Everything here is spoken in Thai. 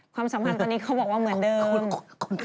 ความสัมพันธ์ตอนนี้เขาบอกว่าเหมือนเดิม